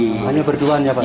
hanya berdua ya pak